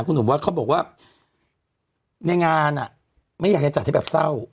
คุณหนุ่มว่าเขาบอกว่าในงานไม่อยากจะจัดให้แบบเศร้า